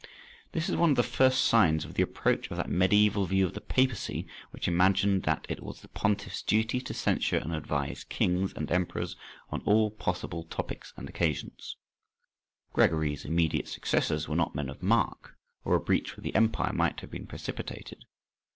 This is one of the first signs of the approach of that mediæval view of the papacy which imagined that it was the pontiff's duty to censure and advise kings and emperors on all possible topics and occasions. Gregory's immediate successors were not men of mark, or a breach with the empire might have been precipitated.